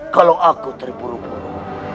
kalau aku terburu buru